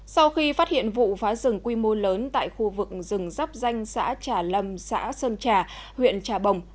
sau khi phát hiện vụ phá rừng quy mô lớn tại khu vực rừng dắp danh xã trà lâm xã sơn trà huyện trà bồng